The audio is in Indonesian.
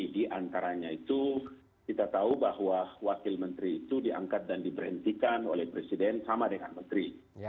di antaranya itu kita tahu bahwa wakil menteri itu diangkat dan diberhentikan oleh presiden sama dengan menteri